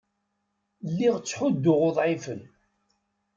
Lliɣ ttḥudduɣ uḍɛifen.